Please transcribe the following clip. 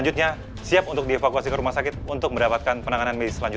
tuh syukurnya ketemu